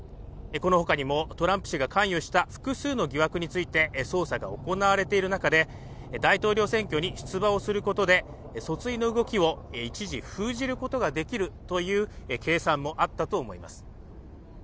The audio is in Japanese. このほかにもトランプ氏が関与した複数の疑惑について捜査が行われている中で大統領選挙に出馬をすることで、訴追の動きを一時封じることができるという計算もあったと思います。